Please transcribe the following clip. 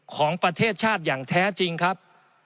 ของประเทศชาติอย่างแท้จริงครับ